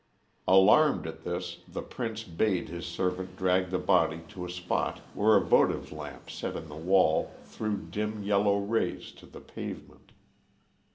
Alarmed at this, the Prince bade his servant drag the body to a spot where a votive lamp set in the wall threw dim yellow rays to the pavement.